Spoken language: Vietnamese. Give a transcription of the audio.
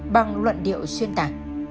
bằng luận điệu xuyên tả